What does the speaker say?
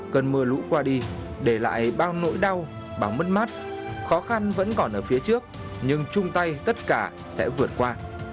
cơn mưa lũ qua đi để lại bao nỗi đau bao mất mát khó khăn vẫn còn ở phía trước nhưng chung tay tất cả sẽ vượt qua